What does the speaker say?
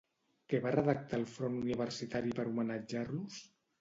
Què va redactar el Front Universitari per homenatjar-los?